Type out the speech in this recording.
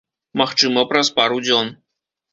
Магчыма, праз пару дзён.